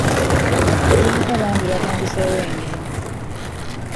Abavubuka bangi batandiseewo emirimu.